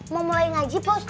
mau mulai ngaji pak mustaq